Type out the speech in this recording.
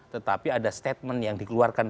tetapi ada statement yang dikeluarkan